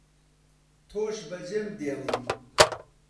تۆش بەجێم دێڵی